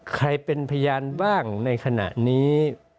ใครเป็นพยานบ้างในขณะนี้